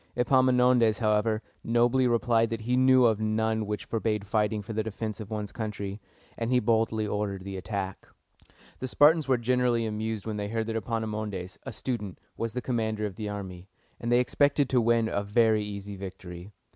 Epaminondas, however, nobly replied that he knew of none which forbade fighting for the defense of one's country, and he boldly ordered the attack. The Spartans were greatly amused when they heard that Epaminondas, a student, was the commander of the army, and they expected to win a very easy victory.